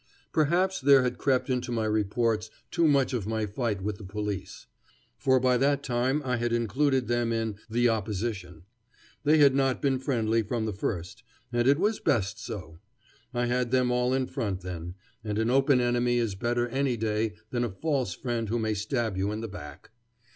Perhaps there had crept into my reports too much of my fight with the police. For by that time I had included them in "the opposition." They had not been friendly from the first, and it was best so. I had them all in front then, and an open enemy is better any day than a false friend who may stab you in the back.